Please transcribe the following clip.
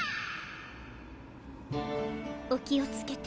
お気をつけて。